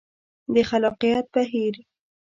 د خلاقیت بهیر